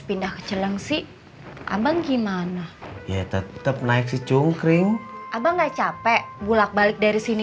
pindah ke celengsi abang gimana ya tetep naik si cungkring abang nggak capek bulat balik dari sini